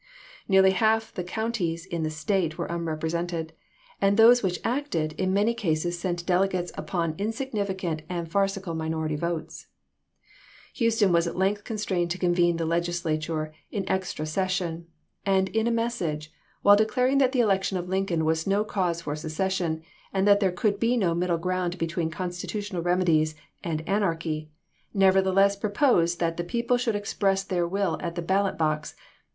Nearly half the counties in the State were unrepresented, and those which acted, in many cases sent delegates cyciopa upon insignificant and farcical minority votes. p. ess. ' Houston was at length constrained to convene the Legislature in extra session, and in a message, while declaring that the election of Lincoln was no cause for secession, and that there could be no middle ground between constitutional remedies MesS": and anarchy, nevertheless proposed that the people "^^Texas*'^' should express their will at the ballot box, and journal!"